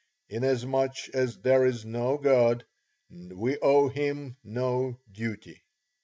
Inasmuch as there is no God, we owe Him no duty."